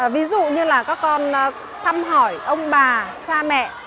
ví dụ như là các con thăm hỏi ông bà cha mẹ